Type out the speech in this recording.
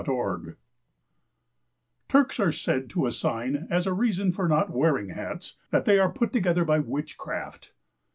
Turks are said to assign as a reason for not wearing Hats, that they are put together by witchcraft.